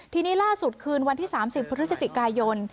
ทีนี้ล่าสุดคืนวันที่๓๐พฤศจิกายน